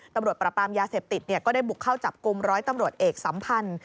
ตำรวจประปรามยาเสพติดก็ได้บุกเข้าจับกลุ่มร้อยตำรวจเอกสัมพันธ์